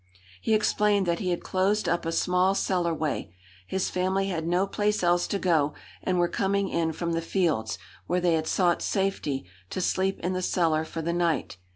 He explained that he had closed up a small cellar way. His family had no place else to go and were coming in from the fields, where they had sought safety, to sleep in the cellar for the night.